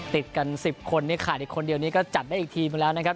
ติดกัน๑๐คนเนี่ยขาดอีกคนเดียวนี้ก็จัดได้อีกทีมาแล้วนะครับ